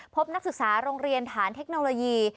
นักศึกษาโรงเรียนฐานเทคโนโลยี